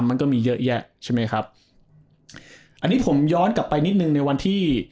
มันก็มีเยอะแยะใช่ไหมครับอันนี้ผมย้อนกลับไปนิดหนึ่งในวันที่